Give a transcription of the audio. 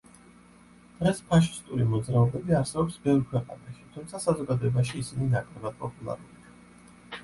დღეს ფაშისტური მოძრაობები არსებობს ბევრ ქვეყანაში, თუმცა საზოგადოებაში ისინი ნაკლებად პოპულარულია.